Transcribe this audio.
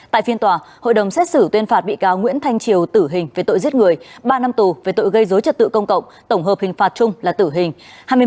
tại phiên tòa hội đồng xét xử tuyên phạt bị cáo nguyễn thanh triều tử hình về tội giết người ba năm tù về tội gây dối trật tự công cộng tổng hợp hình phạt chung là tử hình